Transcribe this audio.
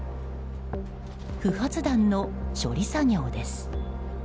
不発弾の処理作業です。